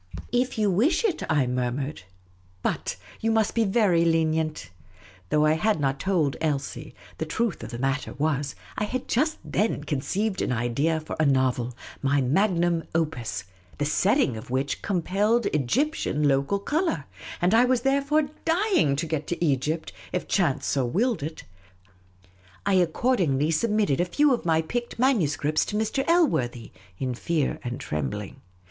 " If you wish it," I murmured ;" but — you must be very lenient !" Though I had not told Elsie, the truth of the matter was, I had just then conceived an idea for a novel — my viagmnn opus — the setting of which compelled Egyptian local colour ; and I was therefore dying to get to Egypt, if chance so willed it. I accordingly submitted a few of my picked manuscripts to Mr. Elworthy, in fear and trembling.